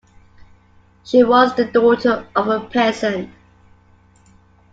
She was the daughter of a peasant.